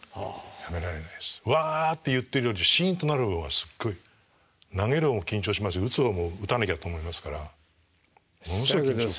わって言ってるよりシンとなる方がすっごい投げる方も緊張しますが打つ方も打たなきゃと思いますからものすごい緊張する。